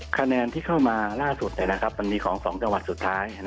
คะแนนที่เข้ามาล่าสุดมันมีของ๒จังหวัดสุดท้าย